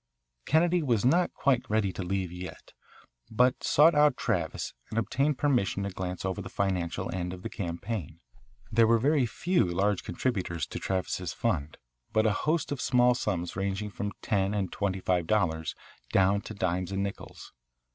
Kennedy was not quite ready to leave yet, but sought out Travis and obtained permission to glance over the financial end of the campaign. There were few large contributors to Travis's fund, but a host of small sums ranging from ten and twenty five dollars down to dimes and nickels.